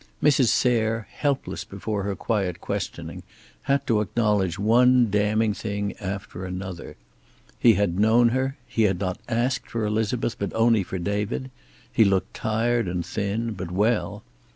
Mrs. Sayre, helpless before her quiet questioning, had to acknowledge one damning thing after another. He had known her; he had not asked for Elizabeth, but only for David; he looked tired and thin, but well.